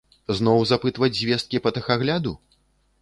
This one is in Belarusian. Зноў запытваць звесткі па тэхагляду?